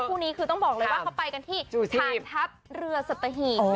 คู่นี้คือต้องบอกเลยว่าเขาไปกันที่ฐานทัพเรือสัตหีบ